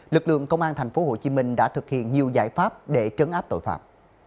lực lượng công an tp hcm đã thực hiện nhiều giải pháp để trấn áp tội phạm